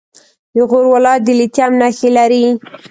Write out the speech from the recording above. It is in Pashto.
د غور ولایت د لیتیم نښې لري.